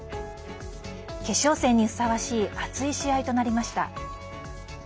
決勝戦にふさわしい熱い試合となりました。